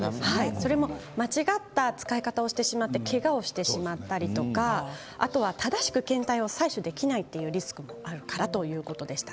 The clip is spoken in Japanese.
それも間違った使い方をしてしまってけがをしてしまったりあとは正しく検体を採取できないというリスクがあるからということでした。